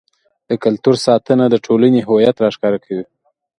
د کلتور ساتنه د ټولنې هویت راښکاره کوي.